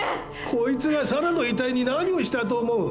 こいつがサラの遺体に何をしたと思う？